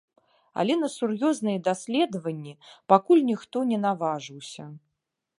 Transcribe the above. Але на сур'ёзныя даследаванні пакуль ніхто не наважыўся.